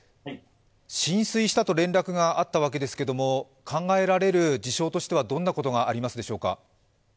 浸水したと連絡があったわけですが、考えられる事象としてはどんなことがありますでしょうか。